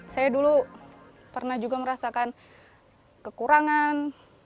saya dulu pernah juga merasakan kekurangan